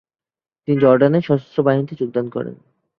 তিনি জর্ডানের সশস্ত্র বাহিনীতে যোগদান করেন।